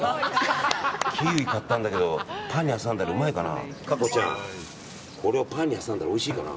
キウイ買ったんだけどパンに挟んだらうまいかな。